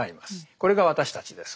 これが私たちです。